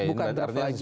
bukan berarti lagi